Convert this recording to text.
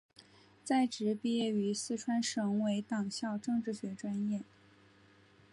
在职毕业于四川省委党校政治学专业。